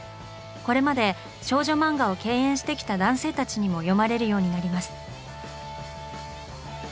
これまで少女漫画を敬遠してきた男性たちにも読まれるようになります。